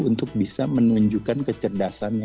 untuk bisa menunjukkan kecerdasannya